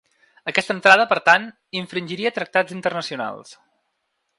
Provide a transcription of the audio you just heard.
Aquesta entrada, per tant, infringiria tractats internacionals.